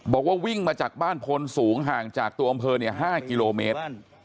บอกว่าวิ่งมาจากบ้านพลสูงห่างจากตัวอำเภอ๕กิโลเมตร